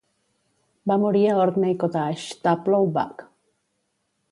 Va morir a Orkney Cottage Taplow Buck.